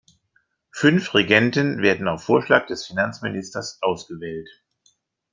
Fünf Regenten werden auf Vorschlag des Finanzministers ausgewählt.